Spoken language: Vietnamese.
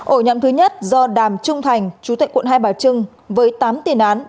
ổ nhóm thứ nhất do đàm trung thành chủ tịch quận hai bà trưng với tám tiền án